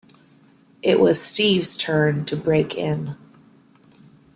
It was Steve's turn to break in.